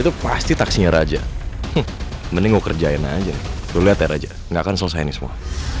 itu pasti taksinya raja mending ngekerjain aja lu lihat aja nggak akan selesai nih semua